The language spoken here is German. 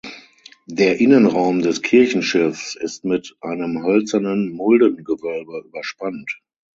Der Innenraum des Kirchenschiffs ist mit einem hölzernen Muldengewölbe überspannt.